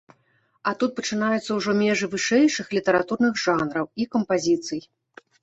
А тут пачынаюцца ўжо межы вышэйшых літаратурных жанраў і кампазіцый.